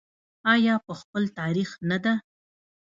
آیا په خپل تاریخ نه ده؟